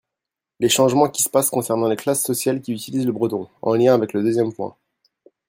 les changements qui se passent concernant les classes sociales qui utilisent le breton (en lien avec le deuxièrme point).